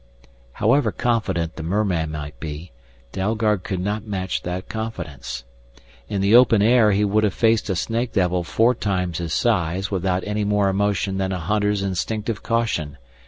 However confident the merman might be, Dalgard could not match that confidence. In the open air he would have faced a snake devil four times his size without any more emotion than a hunter's instinctive caution.